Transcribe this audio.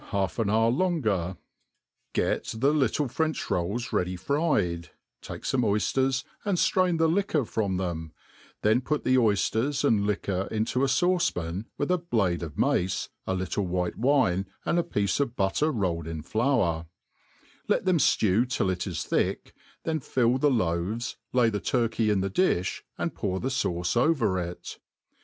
half atx hour longer; get the litde French rolls ready fried, take fome oyfters, and ftraln the liquor from them, then put the oyfters and liquor into a fauce pan, with a blade of mac^, a little white wine, and a piece of butter rolled in flour ; Uc them ftew till it is thick, then fill the loaves, lay the turkey in the diih, and pour the fauce over it.